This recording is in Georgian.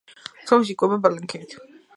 სქელშუბლა იკვებება პლანქტონით.